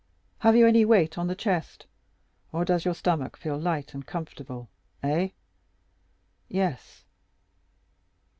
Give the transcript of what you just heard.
"Have you any weight on the chest; or does your stomach feel light and comfortable—eh?" "Yes."